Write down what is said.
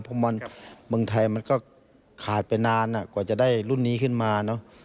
เพราะมันเมืองไทยมันก็ขาดไปนานกว่าจะได้รุ่นนี้ขึ้นมาเนอะ